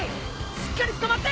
しっかりつかまって！